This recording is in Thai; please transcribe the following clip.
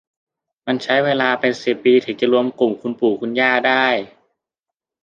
มันใช้เวลาเป็นสิบปีถึงจะร่วมกลุ่มคุณปู่คุณย่าได้